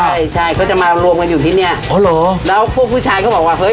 ใช่ใช่เขาจะมารวมกันอยู่ที่เนี้ยอ๋อเหรอแล้วพวกผู้ชายก็บอกว่าเฮ้ย